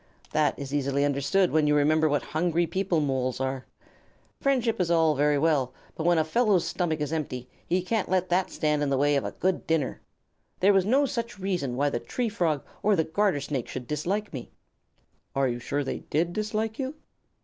That is easily understood when you remember what hungry people Moles are. Friendship is all very well, but when a fellow's stomach is empty, he can't let that stand in the way of a good dinner. There was no such reason why the Tree Frog or the Garter Snake should dislike me." "Are you sure they did dislike you?"